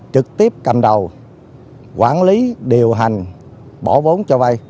trực tiếp cầm đầu quản lý điều hành bỏ vốn cho vay